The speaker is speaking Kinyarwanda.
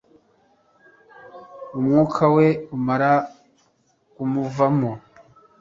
Umwuka we umara kumuvamo